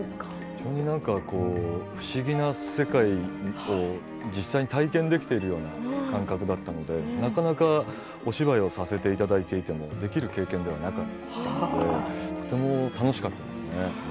非常に不思議な世界を実際に体験できているような感覚だったのでなかなかお芝居をさせていただいていてもできる経験ではなかったのでとても楽しかったですね。